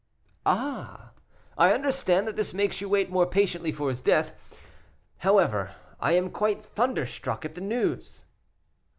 "Ah! I understand that this makes you wait more patiently for his death. However, I am quite thunderstruck at the news."